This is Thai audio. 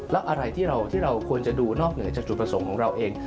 แล้วอะไรที่เราควรจะดูนอกเหนือจากจุดประสงค์ของเราเอง